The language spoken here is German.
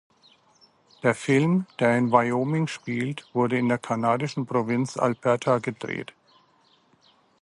Der Film, der in Wyoming spielt, wurde in der kanadischen Provinz Alberta gedreht.